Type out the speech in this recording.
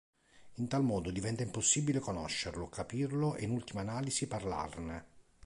In tal modo diventava impossibile conoscerlo, capirlo, e in ultima analisi parlarne.